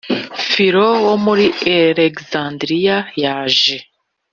filo wo muri alegizandiriya yaje